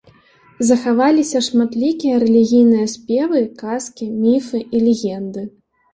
Захаваліся шматлікія рэлігійныя спевы, казкі, міфы і легенды.